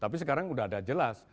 tapi sekarang sudah ada jelas